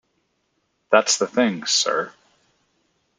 That's the thing, sir!